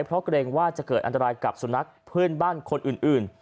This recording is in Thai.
เพราะเกรงว่าจะเกิดอันตรายกับสุนัขเพื่อนบ้านคนอื่น